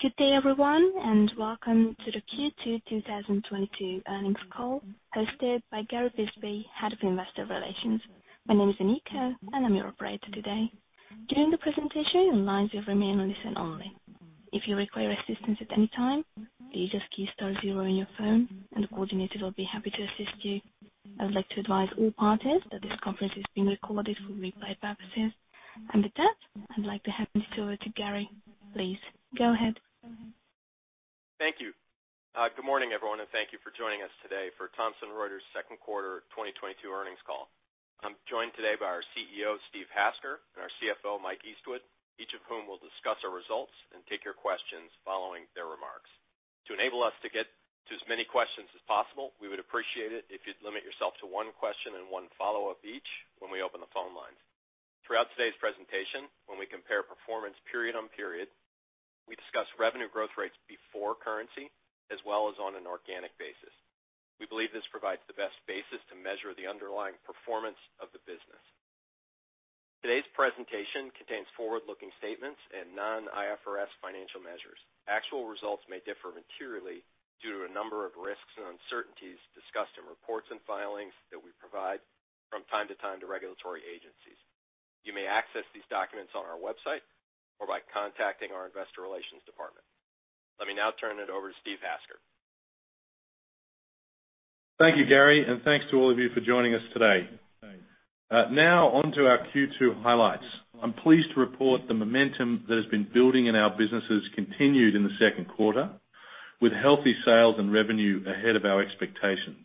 Good day, everyone, and welcome to the Q2 2022 Earnings Call hosted by Gary Bisbee, Head of Investor Relations. My name is Anika, and I'm your operator today. During the presentation, lines will remain on listen only. If you require assistance at any time, please just key star zero on your phone and the coordinator will be happy to assist you. I would like to advise all parties that this conference is being recorded for replay purposes. With that, I'd like to hand this over to Gary. Please go ahead. Thank you. Good morning, everyone, and thank you for joining us today for Thomson Reuters' Second Quarter 2022 Earnings Call. I'm joined today by our CEO, Steve Hasker, and our CFO, Mike Eastwood, each of whom will discuss our results and take your questions following their remarks. To enable us to get to as many questions as possible, we would appreciate it if you'd limit yourself to one question and one follow-up each when we open the phone lines. Throughout today's presentation, when we compare performance period-on-period, we discuss revenue growth rates before currency as well as on an organic basis. We believe this provides the best basis to measure the underlying performance of the business. Today's presentation contains forward-looking statements and non-IFRS financial measures. Actual results may differ materially due to a number of risks and uncertainties discussed in reports and filings that we provide from time to time to regulatory agencies. You may access these documents on our website or by contacting our investor relations department. Let me now turn it over to Steve Hasker. Thank you, Gary, and thanks to all of you for joining us today. Now on to our Q2 highlights. I'm pleased to report the momentum that has been building in our businesses continued in the second quarter with healthy sales and revenue ahead of our expectations.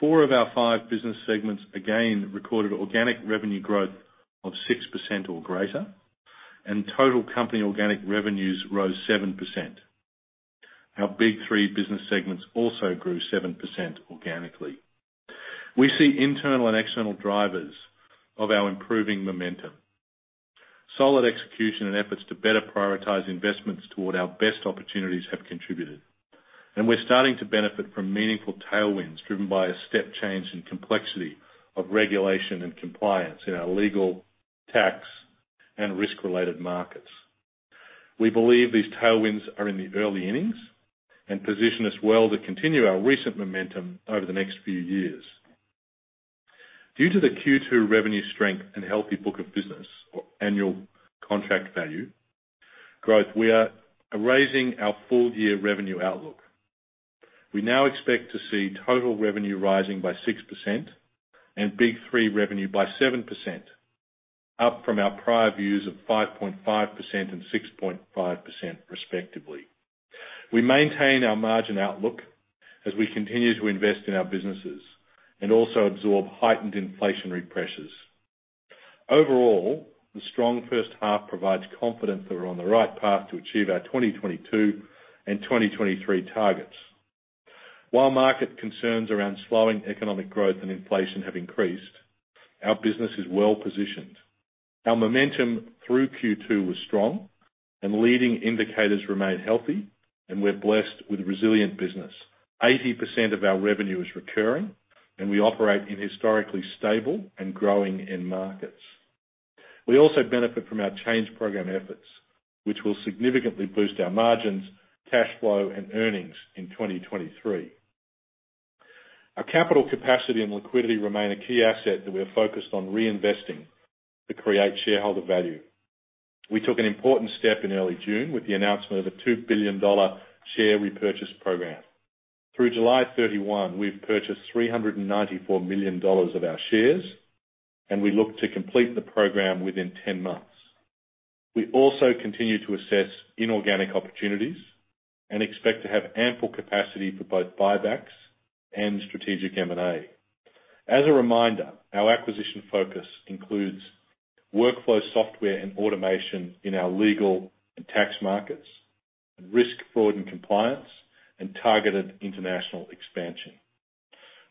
Four of our five business segments again recorded organic revenue growth of 6% or greater, and total company organic revenues rose 7%. Our big three business segments also grew 7% organically. We see internal and external drivers of our improving momentum. Solid execution and efforts to better prioritize investments toward our best opportunities have contributed, and we're starting to benefit from meaningful tailwinds driven by a step change in complexity of regulation and compliance in our legal, tax, and risk-related markets. We believe these tailwinds are in the early innings and position us well to continue our recent momentum over the next few years. Due to the Q2 revenue strength and healthy book of business or annual contract value growth, we are raising our full-year revenue outlook. We now expect to see total revenue rising by 6% and big three revenue by 7%, up from our prior views of 5.5% and 6.5% respectively. We maintain our margin outlook as we continue to invest in our businesses and also absorb heightened inflationary pressures. Overall, the strong first half provides confidence that we're on the right path to achieve our 2022 and 2023 targets. While market concerns around slowing economic growth and inflation have increased, our business is well-positioned. Our momentum through Q2 was strong and leading indicators remain healthy, and we're blessed with resilient business. 80% of our revenue is recurring, and we operate in historically stable and growing end markets. We also benefit from our change program efforts, which will significantly boost our margins, cash flow, and earnings in 2023. Our capital capacity and liquidity remain a key asset that we are focused on reinvesting to create shareholder value. We took an important step in early June with the announcement of a $2 billion share repurchase program. Through July 31, we've purchased $394 million of our shares, and we look to complete the program within 10 months. We also continue to assess inorganic opportunities and expect to have ample capacity for both buybacks and strategic M&A. As a reminder, our acquisition focus includes workflow software and automation in our legal and tax markets, and risk, fraud, and compliance, and targeted international expansion.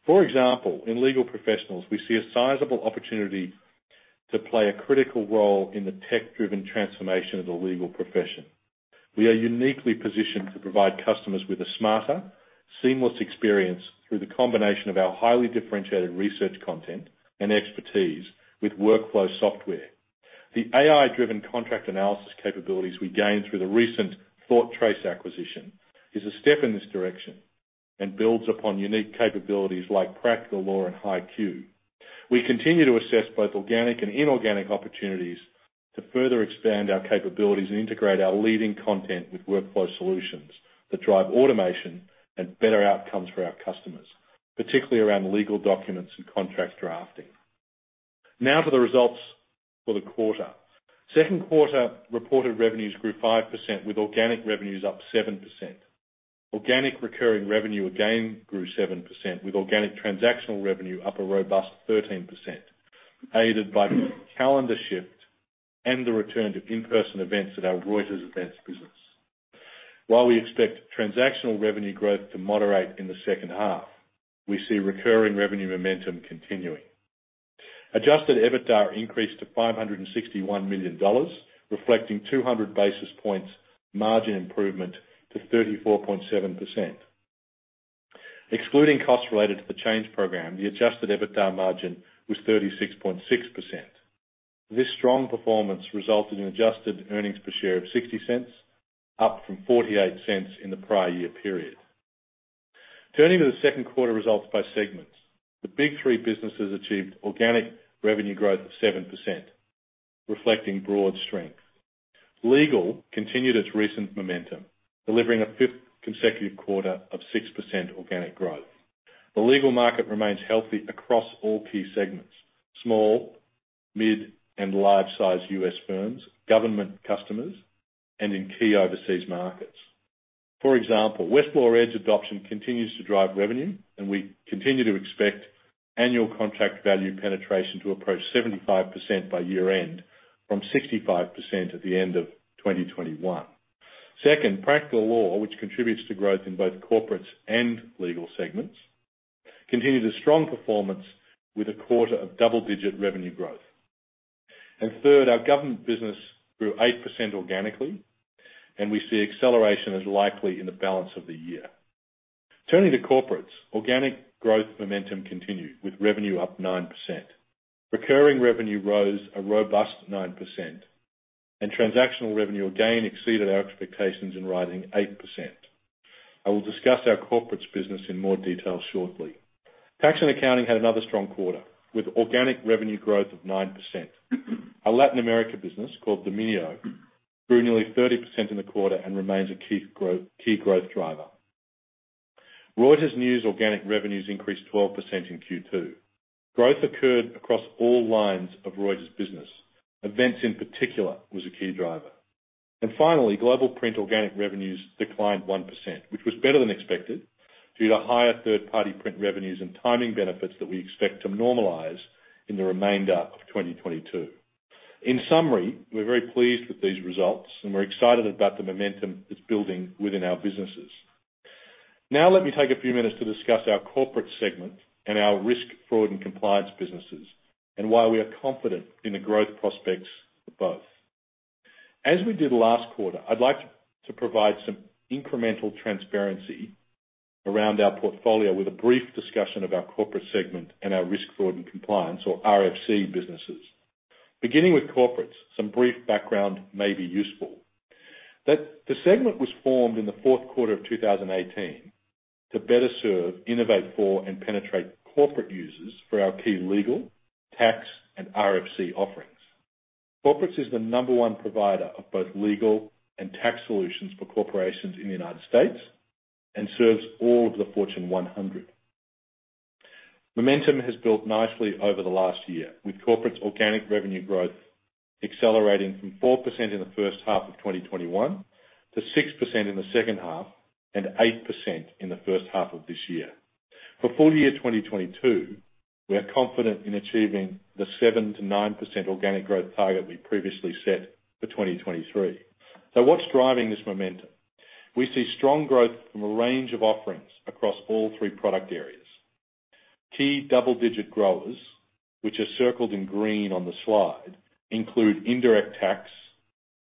For example, in legal professionals, we see a sizable opportunity to play a critical role in the tech-driven transformation of the legal profession. We are uniquely positioned to provide customers with a smarter, seamless experience through the combination of our highly differentiated research content and expertise with workflow software. The AI-driven contract analysis capabilities we gained through the recent ThoughtTrace acquisition is a step in this direction and builds upon unique capabilities like Practical Law and HighQ. We continue to assess both organic and inorganic opportunities to further expand our capabilities and integrate our leading content with workflow solutions that drive automation and better outcomes for our customers, particularly around legal documents and contract drafting. Now to the results for the quarter. Second quarter reported revenues grew 5% with organic revenues up 7%. Organic recurring revenue again grew 7%, with organic transactional revenue up a robust 13%, aided by the calendar shift and the return to in-person events at our Reuters events business. While we expect transactional revenue growth to moderate in the second half, we see recurring revenue momentum continuing. Adjusted EBITDA increased to $561 million, reflecting 200 basis points margin improvement to 34.7%. Excluding costs related to the change program, the adjusted EBITDA margin was 36.6%. This strong performance resulted in adjusted earnings per share of $0.60, up from $0.48 in the prior year period. Turning to the second quarter results by segments. The big three businesses achieved organic revenue growth of 7%, reflecting broad strength. Legal continued its recent momentum, delivering a fifth consecutive quarter of 6% organic growth. The legal market remains healthy across all key segments, small, mid, and large-size U.S. firms, government customers, and in key overseas markets. For example, Westlaw Edge adoption continues to drive revenue, and we continue to expect annual contract value penetration to approach 75% by year-end from 65% at the end of 2021. Second, Practical Law, which contributes to growth in both corporates and legal segments, continued a strong performance with a quarter of double-digit revenue growth. Third, our government business grew 8% organically, and we see acceleration as likely in the balance of the year. Turning to corporates, organic growth momentum continued with revenue up 9%. Recurring revenue rose a robust 9%, and transactional revenue again exceeded our expectations, and growing 8%. I will discuss our corporates business in more detail shortly. Tax and Accounting had another strong quarter, with organic revenue growth of 9%. Our Latin America business, called Domínio, grew nearly 30% in the quarter and remains a key growth driver. Reuters News organic revenues increased 12% in Q2. Growth occurred across all lines of Reuters business. Events, in particular, was a key driver. Finally, Global Print organic revenues declined 1%, which was better than expected due to higher third-party print revenues and timing benefits that we expect to normalize in the remainder of 2022. In summary, we're very pleased with these results, and we're excited about the momentum that's building within our businesses. Now, let me take a few minutes to discuss our Corporates segment and our risk, fraud, and compliance businesses, and why we are confident in the growth prospects of both. As we did last quarter, I'd like to provide some incremental transparency around our portfolio with a brief discussion of our Corporates segment and our risk, fraud, and compliance or RFC businesses. Beginning with Corporates, some brief background may be useful. Note that the segment was formed in the fourth quarter of 2018 to better serve, innovate for, and penetrate corporate users for our key legal, tax, and RFC offerings. Corporates is the number one provider of both legal and tax solutions for corporations in the United States and serves all of the Fortune 100. Momentum has built nicely over the last year, with Corporates organic revenue growth accelerating from 4% in the first half of 2021 to 6% in the second half and 8% in the first half of this year. For full year 2022, we are confident in achieving the 7% to 9% organic growth target we previously set for 2023. What's driving this momentum? We see strong growth from a range of offerings across all three product areas. Key double-digit growers, which are circled in green on the slide, include Indirect Tax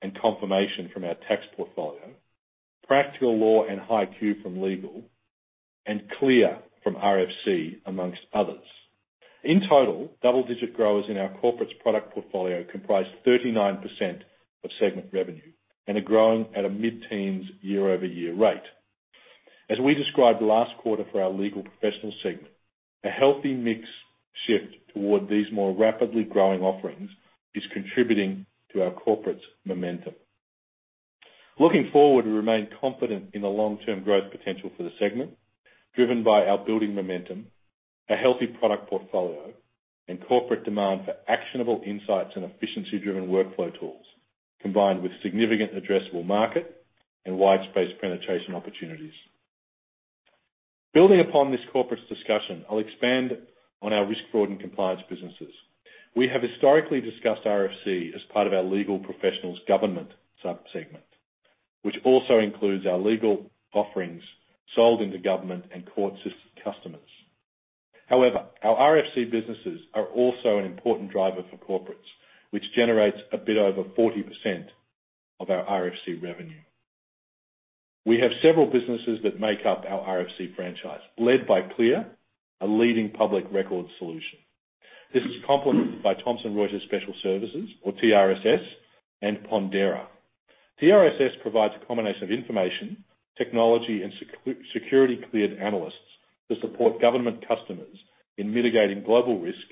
and Confirmation from our Tax portfolio, Practical Law and HighQ from Legal, and CLEAR from RFC, amongst others. In total, double-digit growers in our Corporates product portfolio comprise 39% of segment revenue and are growing at a mid-teens year-over-year rate. As we described last quarter for our legal professionals segment, a healthy mix shift toward these more rapidly growing offerings is contributing to our corporates' momentum. Looking forward, we remain confident in the long-term growth potential for the segment, driven by our building momentum, a healthy product portfolio, and corporate demand for actionable insights and efficiency-driven workflow tools, combined with significant addressable market and widespread penetration opportunities. Building upon this corporates' discussion, I'll expand on our risk, fraud, and compliance businesses. We have historically discussed RFC as part of our legal professionals government subsegment, which also includes our legal offerings sold into government and court customers. However, our RFC businesses are also an important driver for corporates, which generates a bit over 40% of our RFC revenue. We have several businesses that make up our RFC franchise, led by CLEAR, a leading public record solution. This is complemented by Thomson Reuters Special Services or TRSS, and Pondera. TRSS provides a combination of information, technology, and security cleared analysts to support government customers in mitigating global risk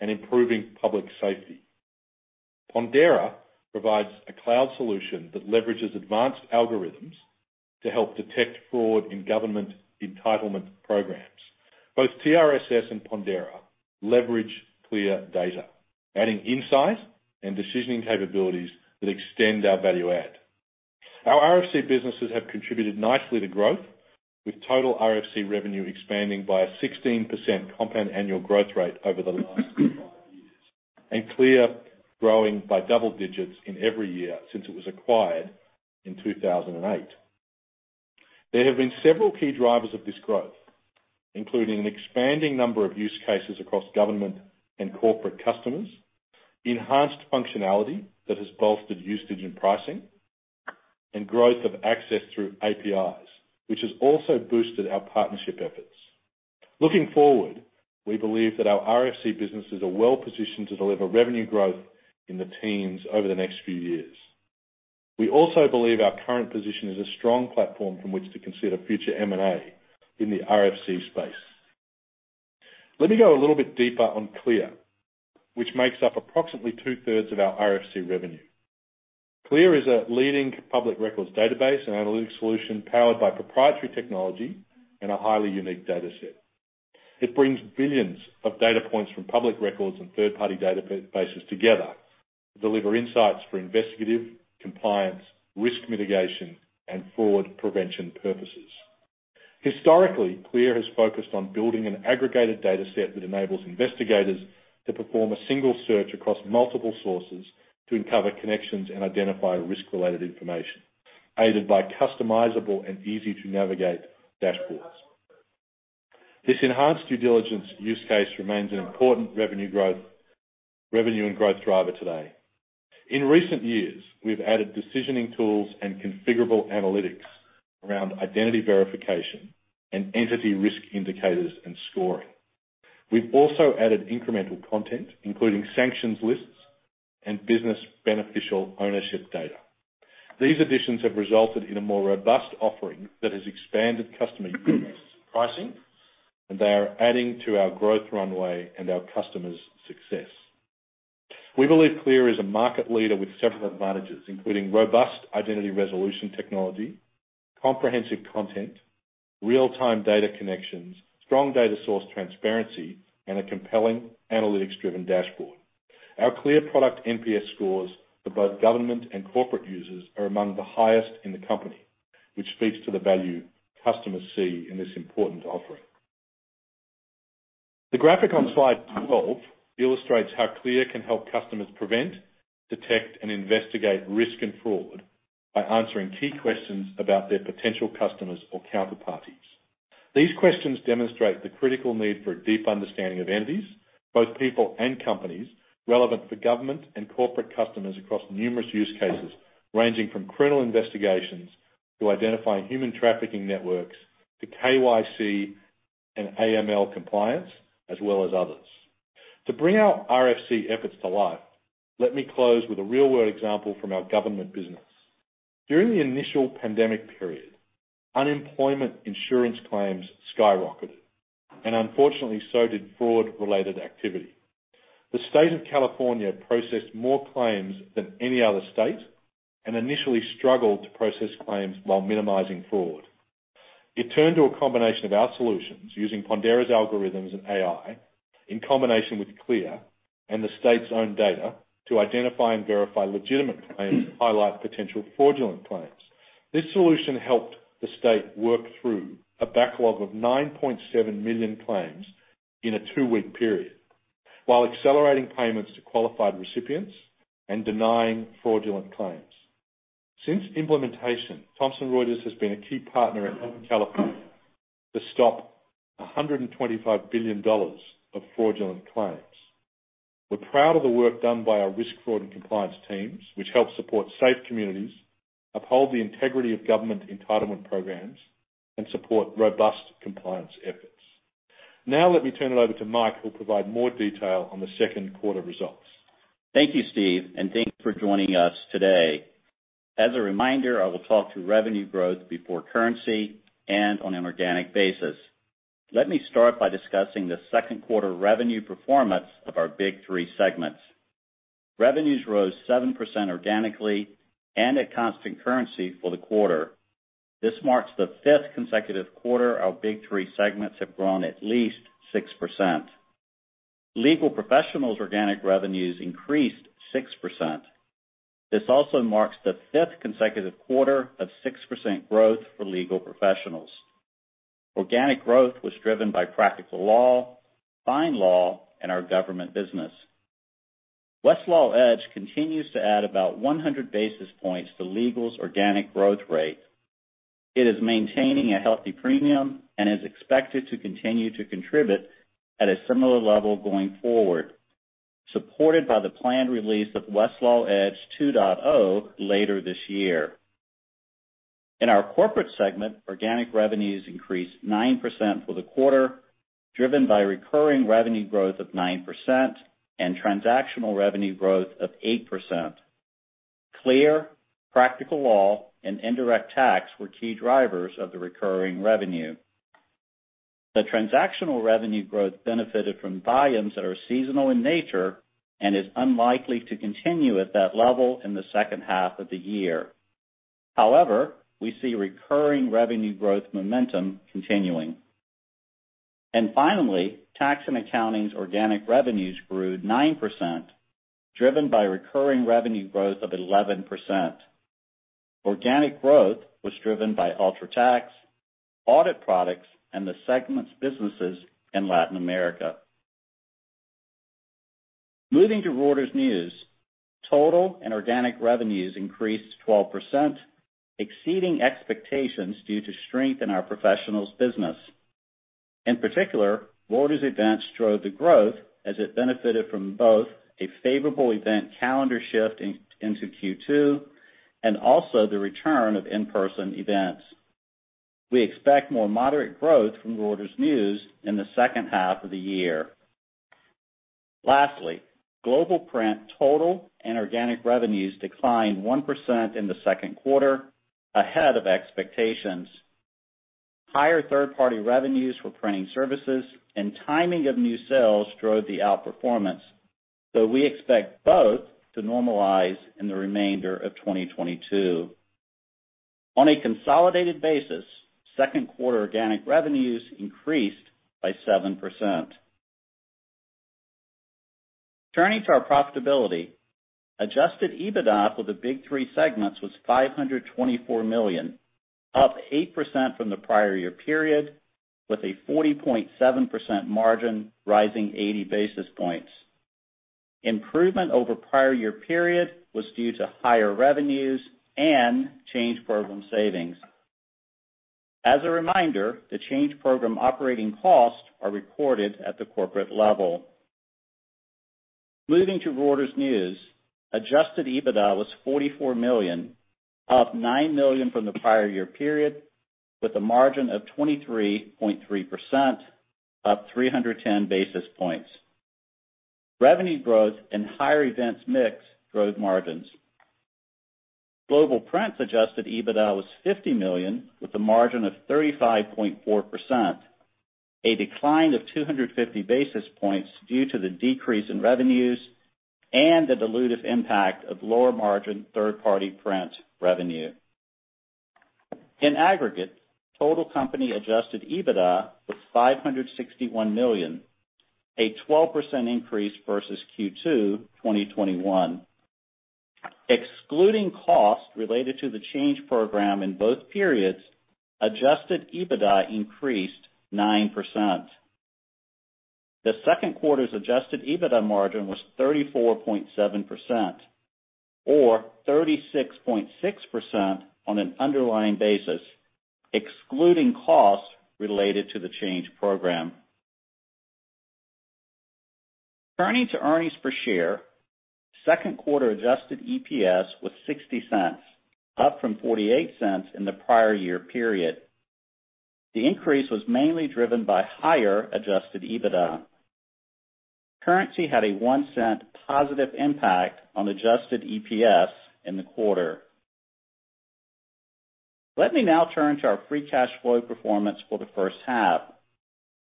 and improving public safety. Pondera provides a cloud solution that leverages advanced algorithms to help detect fraud in government entitlement programs. Both TRSS and Pondera leverage CLEAR data, adding insight and decisioning capabilities that extend our value add. Our RFC businesses have contributed nicely to growth, with total RFC revenue expanding by a 16% compound annual growth rate over the last quarter, and CLEAR growing by double digits in every year since it was acquired in 2008. There have been several key drivers of this growth, including an expanding number of use cases across government and corporate customers, enhanced functionality that has bolstered usage and pricing. Growth of access through APIs, which has also boosted our partnership efforts. Looking forward, we believe that our RFC businesses are well-positioned to deliver revenue growth in the teens over the next few years. We also believe our current position is a strong platform from which to consider future M&A in the RFC space. Let me go a little bit deeper on CLEAR, which makes up approximately 2/3 of our RFC revenue. CLEAR is a leading public records database and analytics solution powered by proprietary technology and a highly unique data set. It brings billions of data points from public records and third-party databases together to deliver insights for investigative, compliance, risk mitigation, and fraud prevention purposes. Historically, CLEAR has focused on building an aggregated data set that enables investigators to perform a single search across multiple sources to uncover connections and identify risk-related information, aided by customizable and easy-to-navigate dashboards. This enhanced due diligence use case remains an important revenue and growth driver today. In recent years, we've added decisioning tools and configurable analytics around identity verification and entity risk indicators and scoring. We've also added incremental content, including sanctions lists and business beneficial ownership data. These additions have resulted in a more robust offering that has expanded customer use, pricing, and they are adding to our growth runway and our customers' success. We believe CLEAR is a market leader with several advantages, including robust identity resolution technology, comprehensive content, real-time data connections, strong data source transparency, and a compelling analytics-driven dashboard. Our CLEAR product NPS scores for both government and corporate users are among the highest in the company, which speaks to the value customers see in this important offering. The graphic on slide 12 illustrates how CLEAR can help customers prevent, detect, and investigate risk and fraud by answering key questions about their potential customers or counterparties. These questions demonstrate the critical need for a deep understanding of entities, both people and companies, relevant for government and corporate customers across numerous use cases, ranging from criminal investigations to identifying human trafficking networks, to KYC and AML compliance, as well as others. To bring our RFC efforts to life, let me close with a real-world example from our government business. During the initial pandemic period, unemployment insurance claims skyrocketed, and unfortunately, so did fraud-related activity. The state of California processed more claims than any other state and initially struggled to process claims while minimizing fraud. It turned to a combination of our solutions using Pondera's algorithms and AI in combination with CLEAR and the state's own data to identify and verify legitimate claims, highlight potential fraudulent claims. This solution helped the state work through a backlog of 9.7 million claims in a two-week period, while accelerating payments to qualified recipients and denying fraudulent claims. Since implementation, Thomson Reuters has been a key partner in California to stop $125 billion of fraudulent claims. We're proud of the work done by our risk, fraud, and compliance teams, which help support safe communities, uphold the integrity of government entitlement programs, and support robust compliance efforts. Now let me turn it over to Mike, who'll provide more detail on the second quarter results. Thank you, Steve, and thank you for joining us today. As a reminder, I will talk to revenue growth before currency and on an organic basis. Let me start by discussing the second quarter revenue performance of our big three segments. Revenues rose 7% organically and at constant currency for the quarter. This marks the fifth consecutive quarter our big three segments have grown at least 6%. Legal Professionals organic revenues increased 6%. This also marks the fifth consecutive quarter of 6% growth for Legal Professionals. Organic growth was driven by Practical Law, FindLaw, and our government business. Westlaw Edge continues to add about 100 basis points to Legal's organic growth rate. It is maintaining a healthy premium and is expected to continue to contribute at a similar level going forward, supported by the planned release of Westlaw Edge 2.0 later this year. In our corporate segment, organic revenues increased 9% for the quarter, driven by recurring revenue growth of 9% and transactional revenue growth of 8%. CLEAR, Practical Law, and Indirect Tax were key drivers of the recurring revenue. The transactional revenue growth benefited from volumes that are seasonal in nature and is unlikely to continue at that level in the second half of the year. However, we see recurring revenue growth momentum continuing. Finally, Tax and Accounting's organic revenues grew 9%, driven by recurring revenue growth of 11%. Organic growth was driven by UltraTax, audit products, and the segment's businesses in Latin America. Moving to Reuters News. Total and organic revenues increased 12%, exceeding expectations due to strength in our professionals' business. In particular, Reuters Events drove the growth as it benefited from both a favorable event calendar shift into Q2 and also the return of in-person events. We expect more moderate growth from Reuters News in the second half of the year. Lastly, Global Print total and organic revenues declined 1% in the second quarter, ahead of expectations. Higher third-party revenues for printing services and timing of new sales drove the outperformance, though we expect both to normalize in the remainder of 2022. On a consolidated basis, second quarter organic revenues increased by 7%. Turning to our profitability, adjusted EBITDA for the big three segments was $524 million, up 8% from the prior year period, with a 40.7% margin rising 80 basis points. Improvement over prior year period was due to higher revenues and Change program savings. As a reminder, the Change program operating costs are recorded at the corporate level. Moving to Reuters News, adjusted EBITDA was $44 million, up $9 million from the prior year period, with a margin of 23.3%, up 310 basis points. Revenue growth and higher events mix drove margins. Global Print adjusted EBITDA was $50 million, with a margin of 35.4%, a decline of 250 basis points due to the decrease in revenues and the dilutive impact of lower margin third-party print revenue. In aggregate, total company adjusted EBITDA was $561 million, a 12% increase versus Q2 2021. Excluding costs related to the Change program in both periods, adjusted EBITDA increased 9%. The second quarter's adjusted EBITDA margin was 34.7% or 36.6% on an underlying basis, excluding costs related to the Change program. Turning to earnings per share, second quarter adjusted EPS was $0.60, up from $0.48 in the prior year period. The increase was mainly driven by higher adjusted EBITDA. Currency had a $0.01 positive impact on adjusted EPS in the quarter. Let me now turn to our free cash flow performance for the first half.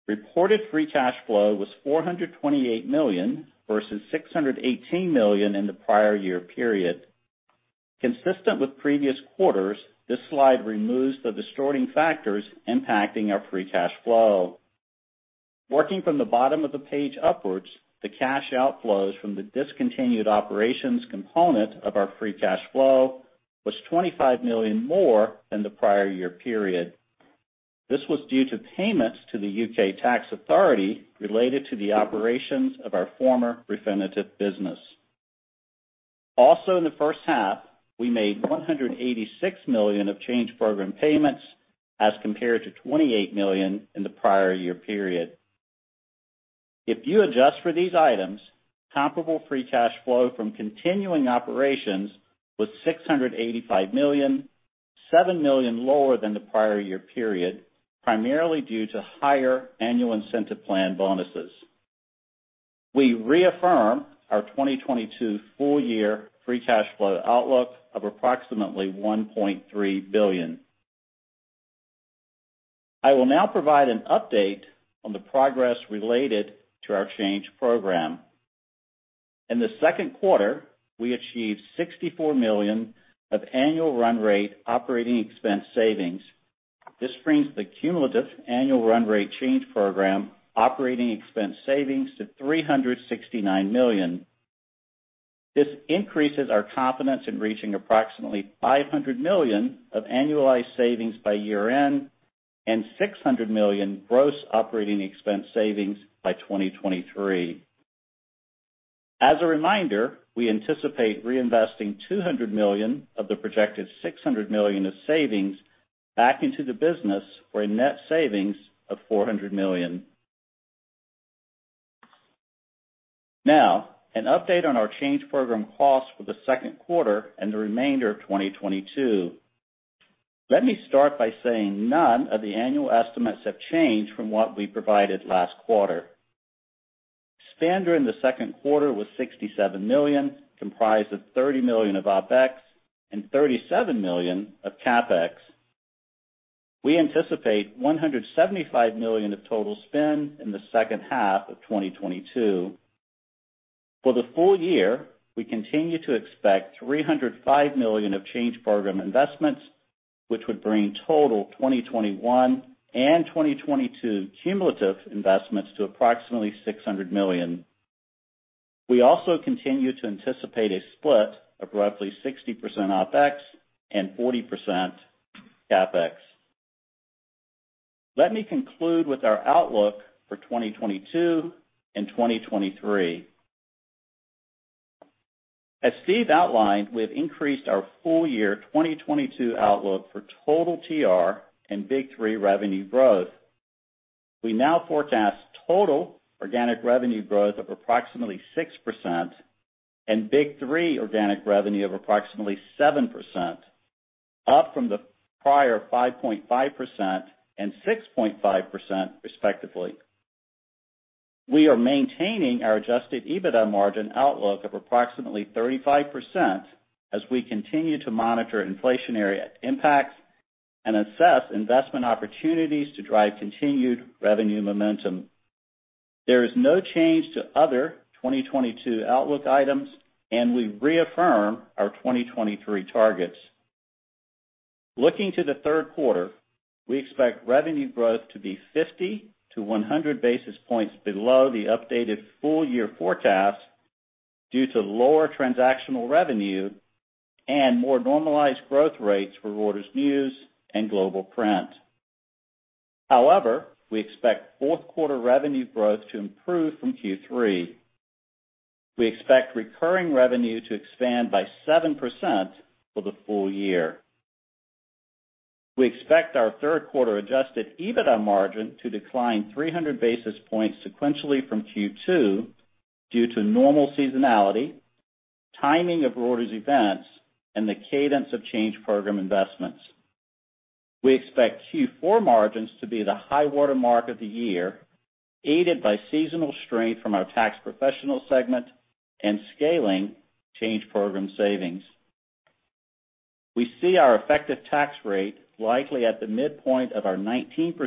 Reported free cash flow was $428 million versus $618 million in the prior year period. Consistent with previous quarters, this slide removes the distorting factors impacting our free cash flow. Working from the bottom of the page upwards, the cash outflows from the discontinued operations component of our free cash flow was $25 million more than the prior year period. This was due to payments to the U.K. tax authority related to the operations of our former Refinitiv business. Also, in the first half, we made $186 million of Change program payments as compared to $28 million in the prior year period. If you adjust for these items, comparable free cash flow from continuing operations was $685 million, $7 million lower than the prior year period, primarily due to higher annual incentive plan bonuses. We reaffirm our 2022 full year free cash flow outlook of approximately $1.3 billion. I will now provide an update on the progress related to our Change program. In the second quarter, we achieved $64 million of annual run rate operating expense savings. This brings the cumulative annual run rate Change program operating expense savings to $369 million. This increases our confidence in reaching approximately $500 million of annualized savings by year-end and $600 million gross operating expense savings by 2023. As a reminder, we anticipate reinvesting $200 million of the projected $600 million of savings back into the business for a net savings of $400 million. Now, an update on our Change program costs for the second quarter and the remainder of 2022. Let me start by saying none of the annual estimates have changed from what we provided last quarter. Spend during the second quarter was $67 million, comprised of $30 million of OpEx and $37 million of CapEx. We anticipate $175 million of total spend in the second half of 2022. For the full year, we continue to expect $305 million of Change program investments, which would bring total 2021 and 2022 cumulative investments to approximately $600 million. We also continue to anticipate a split of roughly 60% OpEx and 40% CapEx. Let me conclude with our outlook for 2022 and 2023. As Steve outlined, we have increased our full year 2022 outlook for total TR and big three revenue growth. We now forecast total organic revenue growth of approximately 6% and big three organic revenue of approximately 7%, up from the prior 5.5% and 6.5% respectively. We are maintaining our adjusted EBITDA margin outlook of approximately 35% as we continue to monitor inflationary impacts and assess investment opportunities to drive continued revenue momentum. There is no change to other 2022 outlook items, and we reaffirm our 2023 targets. Looking to the third quarter, we expect revenue growth to be 50 to 100 basis points below the updated full year forecast due to lower transactional revenue and more normalized growth rates for Reuters News and Global Print. However, we expect fourth quarter revenue growth to improve from Q3. We expect recurring revenue to expand by 7% for the full year. We expect our third quarter adjusted EBITDA margin to decline 300 basis points sequentially from Q2 due to normal seasonality, timing of Reuters events, and the cadence of change program investments. We expect Q4 margins to be the high water mark of the year, aided by seasonal strength from our tax professional segment and scaling change program savings. We see our effective tax rate likely at the midpoint of our 19%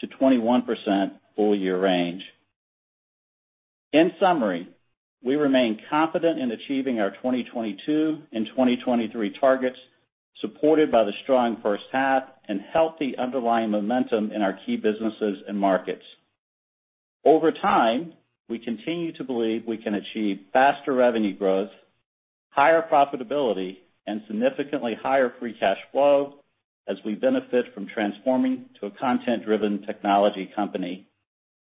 to 21% full year range. In summary, we remain confident in achieving our 2022 and 2023 targets, supported by the strong first half and healthy underlying momentum in our key businesses and markets. Over time, we continue to believe we can achieve faster revenue growth, higher profitability, and significantly higher free cash flow as we benefit from transforming to a content-driven technology company.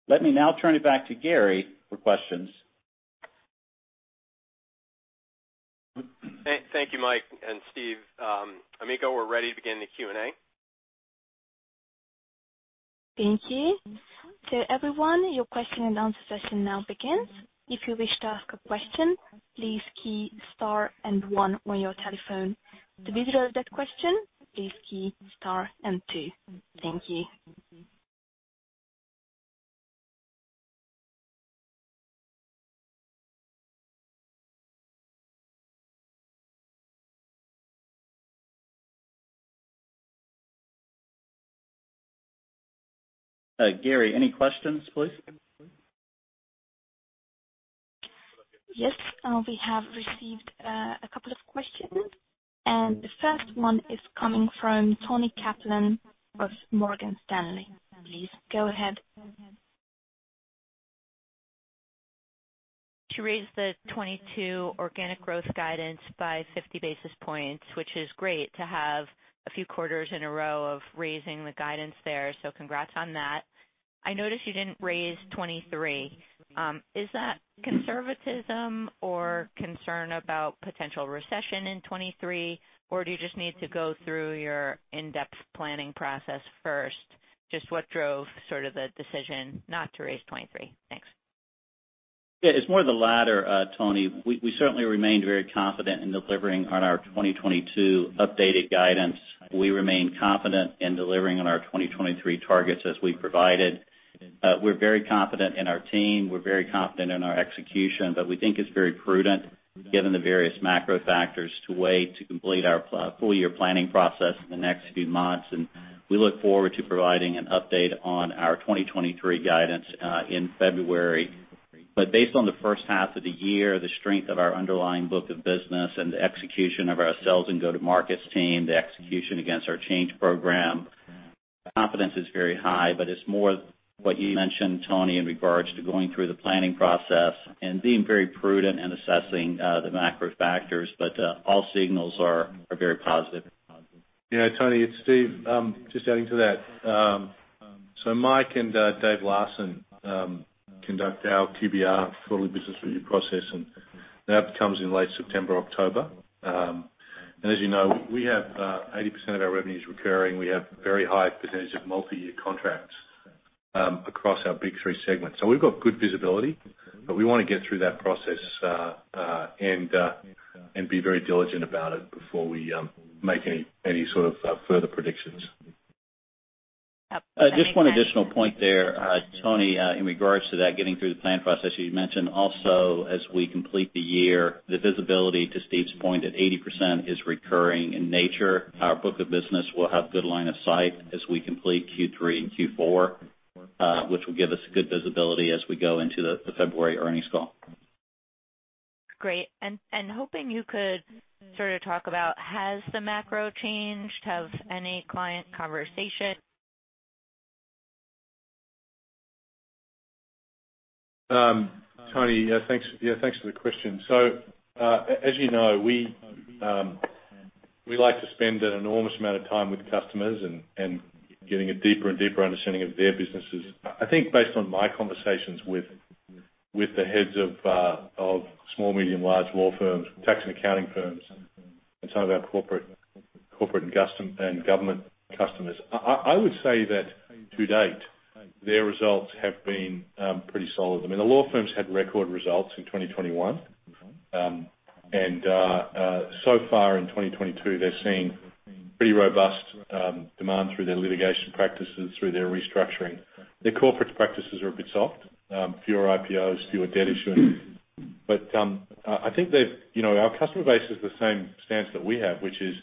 Let me now turn it back to Gary for questions. Thank you, Mike and Steve. Anika, we're ready to begin the Q&A. Thank you. Everyone, your question-and-answer session now begins. If you wish to ask a question, please key star and one on your telephone. To withdraw that question, please key star and two. Thank you. Gary, any questions, please? Yes. We have received a couple of questions, and the first one is coming from Toni Kaplan of Morgan Stanley. Please, go ahead. To raise the 2022 organic growth guidance by 50 basis points, which is great to have a few quarters in a row of raising the guidance there. Congrats on that. I noticed you didn't raise 2023. Is that conservatism or concern about potential recession in 2023? Or do you just need to go through your in-depth planning process first? Just what drove sort of the decision not to raise 2023? Thanks. Yeah, it's more the latter, Toni. We certainly remained very confident in delivering on our 2022 updated guidance. We remain confident in delivering on our 2023 targets as we provided. We're very confident in our team. We're very confident in our execution, but we think it's very prudent given the various macro factors to wait to complete our full year planning process in the next few months. We look forward to providing an update on our 2023 guidance in February. Based on the first half of the year, the strength of our underlying book of business and the execution of our sales and go-to-markets team, the execution against our change program, confidence is very high. It's more what you mentioned, Toni, in regards to going through the planning process and being very prudent in assessing the macro factors. All signals are very positive. Yeah, Toni, it's Steve. Just adding to that. Mike and David Larson conduct our QBR quarterly business review process, and that comes in late September, October. As you know, we have 80% of our revenue is recurring. We have very high percentage of multi-year contracts across our big three segments. We've got good visibility, but we wanna get through that process and be very diligent about it before we make any sort of further predictions. Just one additional point there, Toni, in regards to that, getting through the planning process, as you mentioned, also as we complete the year, the visibility to Steve's point, at 80% is recurring in nature. Our book of business will have good line of sight as we complete Q3 and Q4, which will give us good visibility as we go into the February earnings call. Great. Hoping you could sort of talk about has the macro changed? Have any client conversations- Toni, thanks. Yeah, thanks for the question. As you know, we like to spend an enormous amount of time with customers and getting a deeper and deeper understanding of their businesses. I think based on my conversations with the heads of small, medium, large law firms, tax and accounting firms, and some of our corporate and custom and government customers, I would say that to date, their results have been pretty solid. I mean, the law firms had record results in 2021. So far in 2022, they're seeing pretty robust demand through their litigation practices, through their restructuring. Their corporate practices are a bit soft, fewer IPOs, fewer debt issuance. I think they've. You know, our customer base is the same stance that we have, which is,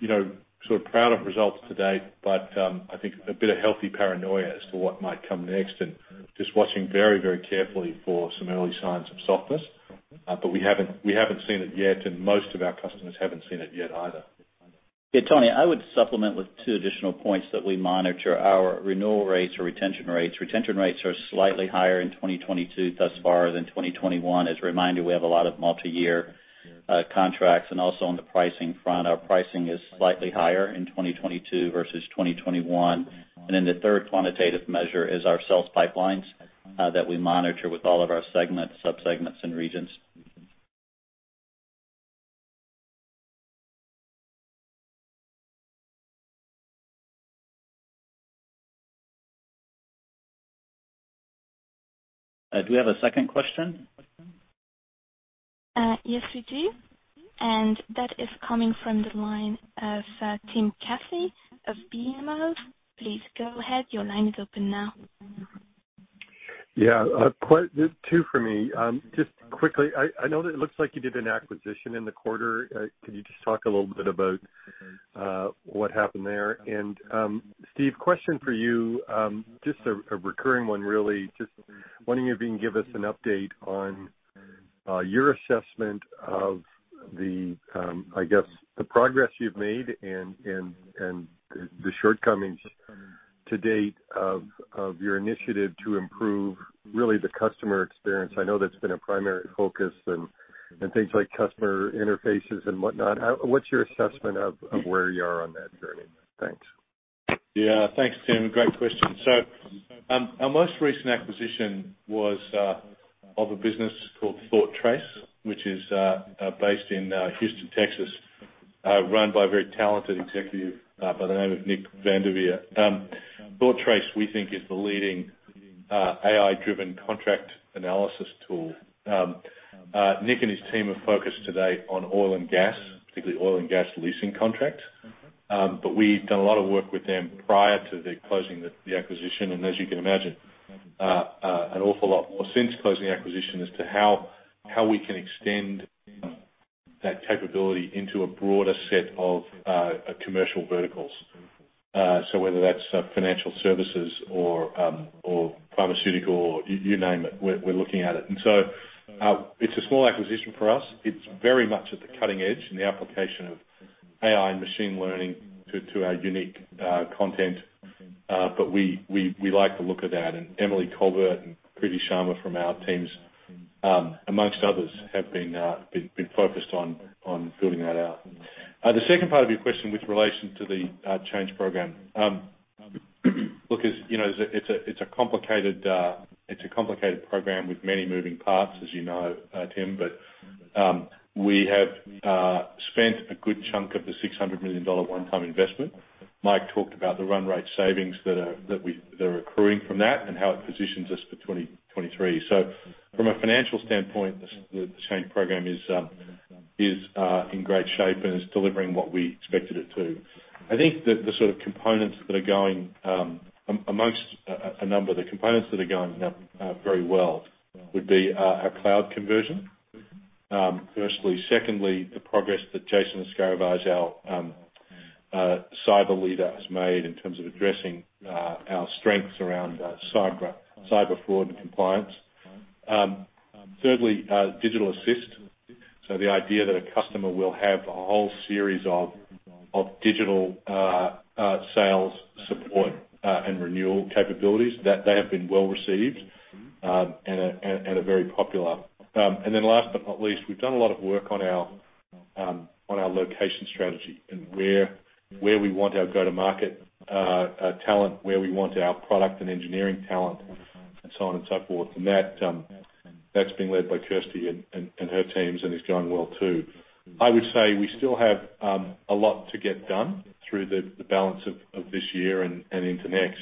you know, sort of proud of results to date, but I think a bit of healthy paranoia as to what might come next and just watching very, very carefully for some early signs of softness. We haven't seen it yet, and most of our customers haven't seen it yet either. Yeah, Toni, I would supplement with two additional points that we monitor our renewal rates or retention rates. Retention rates are slightly higher in 2022 thus far than 2021. As a reminder, we have a lot of multi-year contracts, and also on the pricing front. Our pricing is slightly higher in 2022 versus 2021. The third quantitative measure is our sales pipelines that we monitor with all of our segments, subsegments, and regions. Do we have a second question? Yes, we do. That is coming from the line of Tim Casey of BMO. Please go ahead. Your line is open now. Yeah, Q2 for me. Just quickly, I know that it looks like you did an acquisition in the quarter. Can you just talk a little bit about what happened there? Steve, question for you, just a recurring one, really. Just wondering if you can give us an update on your assessment of the progress you've made and the shortcomings to date of your initiative to improve the customer experience. I know that's been a primary focus and things like customer interfaces and whatnot. What's your assessment of where you are on that journey? Thanks. Yeah. Thanks, Tim. Great question. Our most recent acquisition was of a business called ThoughtTrace, which is based in Houston, Texas, run by a very talented executive by the name of Nick Vandervelde. ThoughtTrace, we think, is the leading AI-driven contract analysis tool. Nick and his team are focused today on oil and gas, particularly oil and gas leasing contracts. We've done a lot of work with them prior to the closing of the acquisition. As you can imagine, an awful lot more since closing the acquisition as to how we can extend that capability into a broader set of commercial verticals. Whether that's financial services or pharmaceutical, you name it, we're looking at it. It's a small acquisition for us. It's very much at the cutting edge in the application of AI and machine learning to our unique content. But we like the look of that. Emily Colbert and Kriti Sharma from our teams, among others, have been focused on building that out. The second part of your question with relation to the change program. Look, as you know, it's a complicated program with many moving parts, as you know, Tim. We have spent a good chunk of the $600 million one-time investment. Mike talked about the run rate savings that are accruing from that and how it positions us for 2023. From a financial standpoint, the change program is in great shape and is delivering what we expected it to. I think that the sort of components that are going very well would be our cloud conversion, firstly. Secondly, the progress that Jason Escaravage, our cyber leader, has made in terms of addressing our strengths around cyber fraud and compliance. Thirdly, digital assist. The idea that a customer will have a whole series of digital sales support and renewal capabilities that have been well received and are very popular. Last but not least, we've done a lot of work on our location strategy and where we want our go-to-market talent, where we want our product and engineering talent and so on and so forth. That that's being led by Kriti and her teams, and it's going well too. I would say we still have a lot to get done through the balance of this year and into next.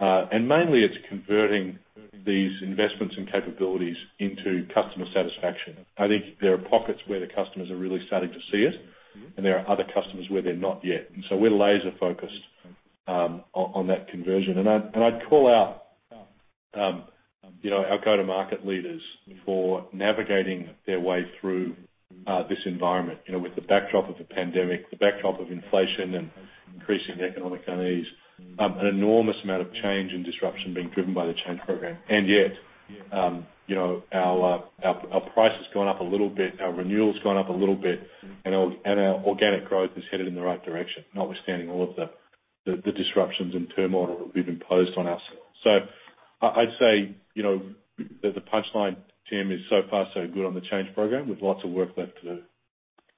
Mainly it's converting these investments and capabilities into customer satisfaction. I think there are pockets where the customers are really starting to see it, and there are other customers where they're not yet. We're laser focused on that conversion. I'd call out, you know, our go-to-market leaders for navigating their way through this environment, you know, with the backdrop of the pandemic, the backdrop of inflation and increasing economic unease, an enormous amount of change and disruption being driven by the change program. Yet, you know, our price has gone up a little bit, our renewal's gone up a little bit, and our organic growth is headed in the right direction, notwithstanding all of the disruptions and turmoil that we've imposed on ourselves. I'd say, you know, that the punchline, Tim, is so far so good on the change program with lots of work left to do.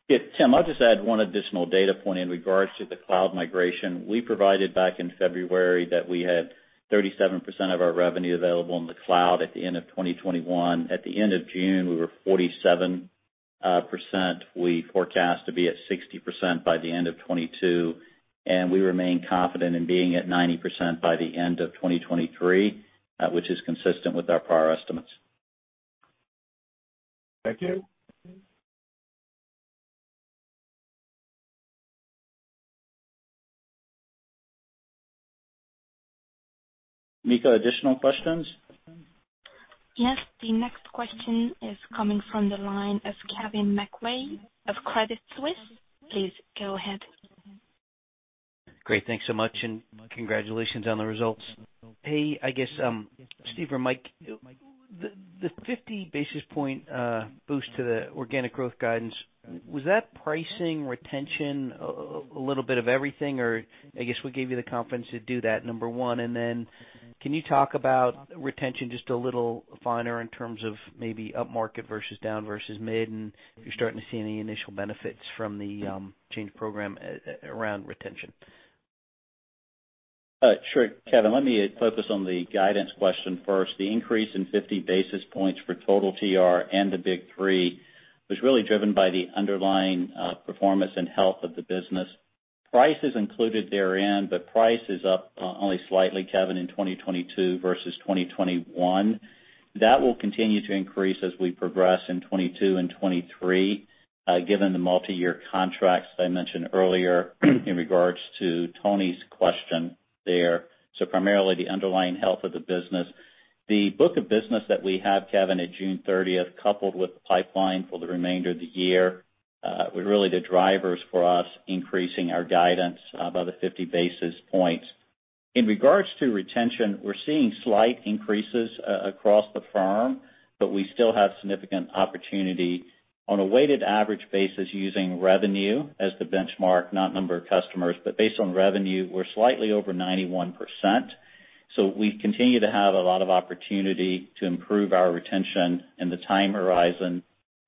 Yeah. Tim, I'll just add one additional data point in regards to the cloud migration. We provided back in February that we had 37% of our revenue available in the cloud at the end of 2021. At the end of June, we were 47%. We forecast to be at 60% by the end of 2022, and we remain confident in being at 90% by the end of 2023, which is consistent with our prior estimates. Thank you. Anika, additional questions? Yes. The next question is coming from the line of Kevin McVeigh of Credit Suisse. Please go ahead. Great. Thanks so much, and congratulations on the results. Hey, I guess, Steve or Mike, the 50 basis points boost to the organic growth guidance, was that pricing retention, a little bit of everything or I guess what gave you the confidence to do that, number one? Then can you talk about retention just a little finer in terms of maybe upmarket versus downmarket versus mid, and if you're starting to see any initial benefits from the change program around retention? Sure. Kevin, let me focus on the guidance question first. The increase in 50 basis points for total TR and the big three was really driven by the underlying performance and health of the business. Price is included therein, but price is up only slightly, Kevin, in 2022 versus 2021. That will continue to increase as we progress in 2022 and 2023, given the multiyear contracts that I mentioned earlier in regards to Toni's question there. Primarily the underlying health of the business. The book of business that we have, Kevin, at June 30, coupled with the pipeline for the remainder of the year, we're really the drivers for us increasing our guidance by the 50 basis points. In regards to retention, we're seeing slight increases across the firm, but we still have significant opportunity. On a weighted average basis using revenue as the benchmark, not number of customers, but based on revenue, we're slightly over 91%. We continue to have a lot of opportunity to improve our retention and the time horizon